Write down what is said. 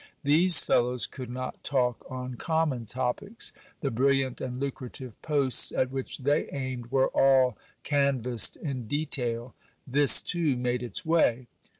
These fellows could not talk on com mon topics : the brilliant and lucrative posts at which they aimed were all can vassed in detail; this too made its way.